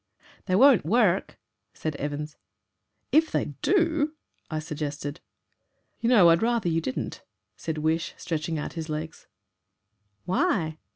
"They won't work," said Evans. "If they do " I suggested. "You know, I'd rather you didn't," said Wish, stretching out his legs. "Why?"